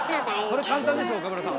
これ簡単でしょう岡村さん！